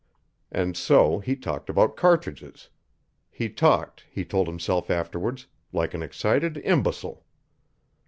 And so he talked about cartridges. He talked, he told himself afterwards, like an excited imbecile.